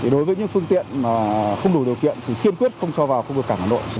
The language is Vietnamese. đối với những phương tiện không đủ điều kiện thì khiên quyết không cho vào khu vực cảng hà nội